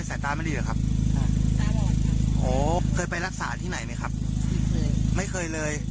แย่ใส่ตาไม่ดีเหรอครับโอ้โฮคือไปรักษาที่ไหนมั้ยครับไม่เคยเลย